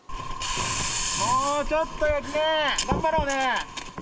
もうちょっとやけん、頑張ろうね。